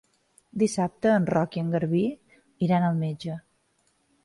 Dissabte en Roc i en Garbí iran al metge.